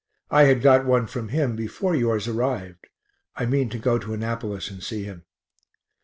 I had got one from him before yours arrived. I mean to go to Annapolis and see him.